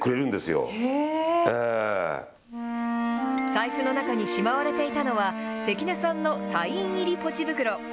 財布の中にしまわれていたのは、関根さんのサイン入りポチ袋。